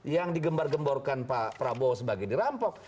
yang digembar gemborkan pak prabowo sebagai dirampok